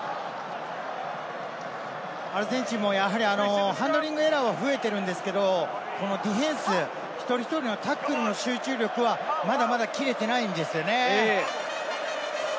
アルゼンチンもやはりハンドリングエラーが増えているんですけれども、ディフェンス、一人一人のタックルの集中力はまだまだ切れていないんですよね。